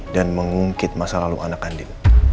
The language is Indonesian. dan mengungkit masa lalu anak andin